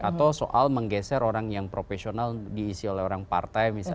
atau soal menggeser orang yang profesional diisi oleh orang partai misalnya